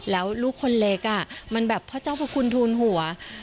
แล้วลูกคนเล็กมันแบบพระเจ้าพระคุณทูลหัว